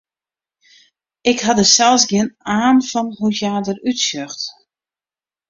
Ik ha der sels gjin aan fan hoe't hja derút sjocht.